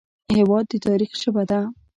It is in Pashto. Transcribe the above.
هېواد د تاریخ ژبه ده.